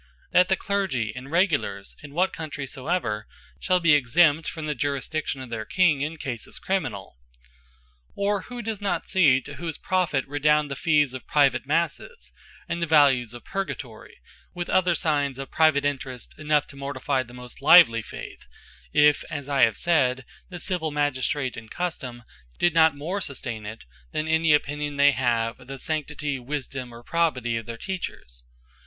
That the Clergy, and Regulars, in what Country soever, shall be exempt from the Jurisdiction of their King, in cases criminall? Or who does not see, to whose profit redound the Fees of private Masses, and Vales of Purgatory; with other signes of private interest, enough to mortifie the most lively Faith, if (as I sayd) the civill Magistrate, and Custome did not more sustain it, than any opinion they have of the Sanctity, Wisdome, or Probity of their Teachers?